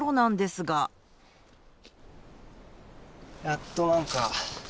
やっと何か。